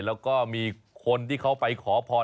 แล้วก็มีคนที่เขาไปขอพร